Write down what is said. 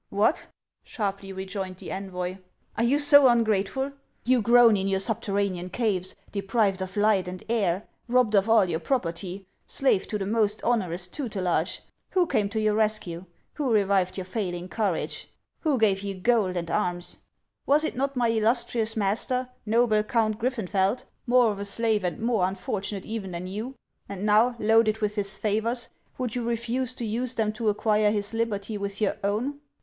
" What !" sharply rejoined the envoy ;" are you so un grateful ? You groan in your subterranean caves, deprived of light and air, robbed of all your property, slaves to the most onerous tutelage ! Who came to your rescue ? Who revived your failing courage ? Who gave you gold and 206 HANS OF ICELAND. arms ? Was it not my illustrious master, noble Count Griffenfeld, more of a slave and more unfortunate even than you ? And now, loaded with his favors, would you refuse to use them to acquire his liberty with your own